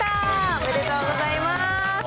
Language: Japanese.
おめでとうございます。